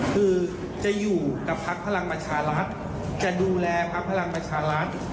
คือจะอยู่กับพักพลังประชารัฐจะดูแลพักพลังประชารัฐ